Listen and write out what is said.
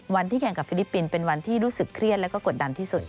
วันที่แข่งกับฟิลิปปินส์เป็นวันที่รู้สึกเครียดแล้วก็กดดันที่สุด